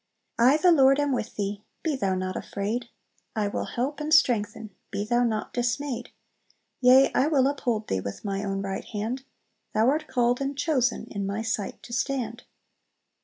"I the Lord am with thee, Be thou not afraid! I will help and strengthen, Be thou not dismayed! Yea, I will uphold thee With my own right hand; Thou art called and chosen In my sight to stand!"